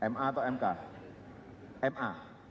ma atau mk ma